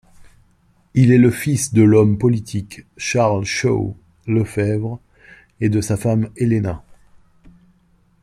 Il est le fils de l'homme politique Charles Shaw-Lefevre et de sa femme Helena.